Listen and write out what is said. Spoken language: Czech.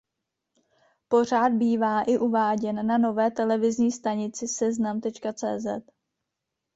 Pořad bývá i uváděn na nové televizní stanici Seznam.cz.